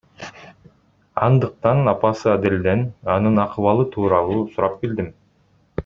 Андыктан апасы Аделден анын акыбалы тууралуу сурап билдим.